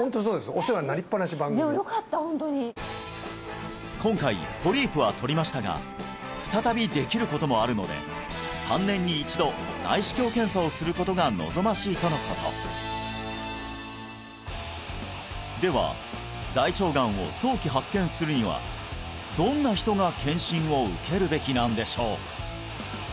お世話になりっぱなし番組にでもよかったホントに今回ポリープは取りましたが再びできることもあるので３年に１度内視鏡検査をすることが望ましいとのことでは大腸がんを早期発見するにはどんな人が検診を受けるべきなんでしょう？